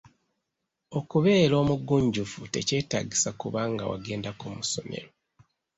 Okubeera omugunjufu tekyetaagisa kuba nga wagendako mu ssomero.